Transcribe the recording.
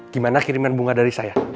gimana kiriman bunga dari saya